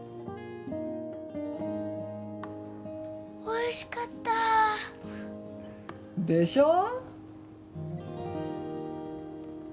おいしかった！でしょ？